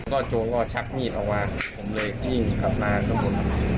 ก็โจงก็ชักมีดออกมาผมเลยวิ่งกลับมาข้างบน